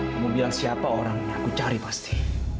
kamu bilang siapa orang yang aku cari pasti